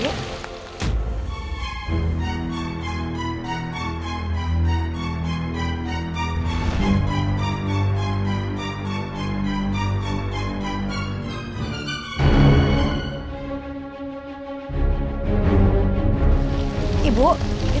ya udah misalnya apa estila